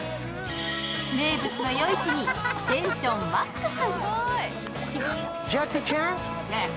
名物の夜市にテンションマックス。